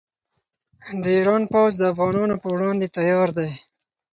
د ایران پوځ د افغانانو پر وړاندې تیار دی.